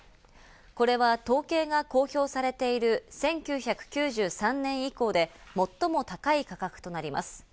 これは統計が公表されている１９９３年以降で最も高い価格となります。